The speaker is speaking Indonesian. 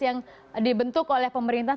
yang dibentuk oleh pemerintah